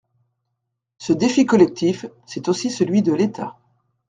Ce défi collectif, c’est aussi celui de l’État.